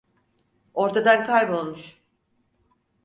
Ortadan kaybolmuş.